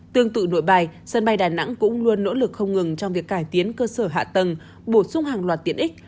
tương tự nội bài sân bay đà nẵng cũng luôn nỗ lực không ngừng trong việc cải tiến cơ sở hạ tầng bổ sung hàng loạt tiện ích